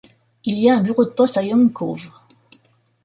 Il y a un bureau de poste à Youngs Cove.